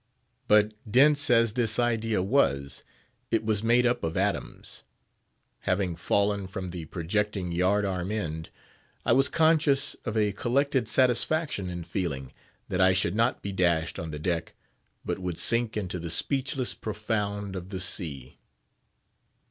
But dense as this idea was, it was made up of atoms. Having fallen from the projecting yard arm end, I was conscious of a collected satisfaction in feeling, that I should not be dashed on the deck, but would sink into the speechless profound of the sea.